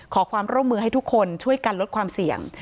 ขอความร่วมมือให้ทุกคนช่วยกันลดความเสี่ยง